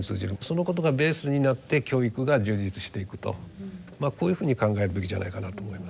そのことがベースになって教育が充実していくとこういうふうに考えるべきじゃないかなと思います。